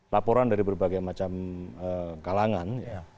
laporan dari berbagai macam kalangan